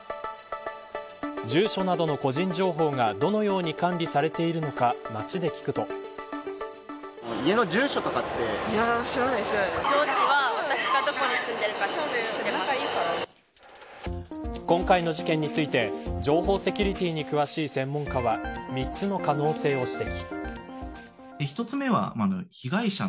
住所などの個人情報がどのように管理されているのか今回の事件について情報セキュリティに詳しい専門家は３つの可能性を指摘。